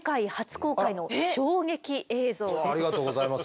ありがとうございます。